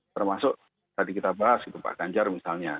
termasuk tadi kita bahas gitu pak ganjar misalnya